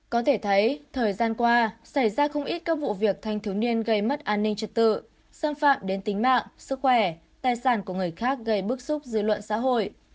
có thể thấy thời gian qua xảy ra không ít các vụ việc thanh thiếu niên gây mất an ninh trật tự xâm phạm đến tính mạng sức khỏe tài sản của người khác gây bức xúc dư luận xã hội